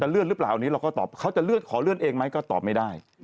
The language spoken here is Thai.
เลื่อนหรือเปล่าอันนี้เราก็ตอบเขาจะเลื่อนขอเลื่อนเองไหมก็ตอบไม่ได้